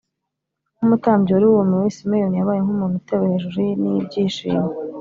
Nk’umutambyi wari wumiwe, Simeyoni yabaye nk’umuntu utewe hejuru n’ibyishimo